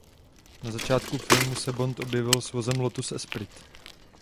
Na začátku filmu se bond objevil s vozem Lotus Esprit.